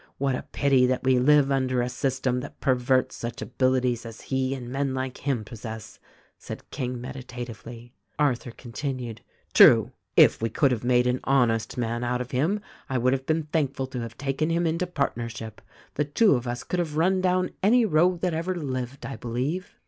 What a pity that we live under a system that perverts such abilities as he and men like him possess," said King meditatively. Arthur continued : "True ! If we could have made an honest man out of him I would have been thankful to have taken him into partnership. The two of us could have run down any rogue that ever lived, I believe."